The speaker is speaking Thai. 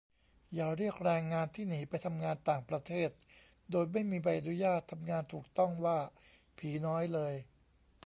อย่าเรียกแรงงานที่หนีไปทำงานต่างประเทศโดยไม่มีใบอนุญาตทำงานถูกต้องว่า "ผีน้อย" เลย